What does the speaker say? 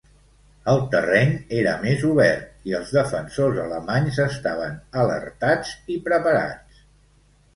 El terreny era més obert, i els defensors alemanys estaven alertats i preparats.